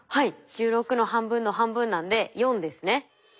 １６の半分の半分なんで４ですね。